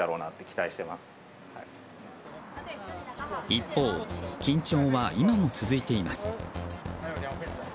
一方、緊張は今も続いています。